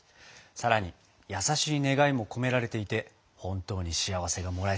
さらに優しい願いも込められていて本当に幸せがもらえそうです！